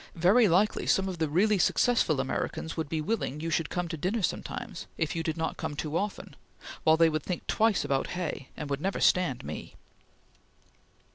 Very likely some of the really successful Americans would be willing you should come to dinner sometimes, if you did not come too often, while they would think twice about Hay, and would never stand me."